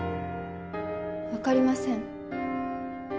分かりません。